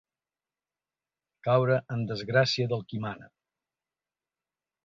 Caure en desgràcia del qui mana.